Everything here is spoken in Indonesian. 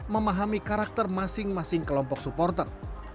memahami karakter masing masing kelompok supporter